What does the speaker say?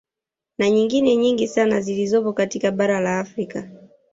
Na nyingine nyingi sana zilizopo katika bara la Afrika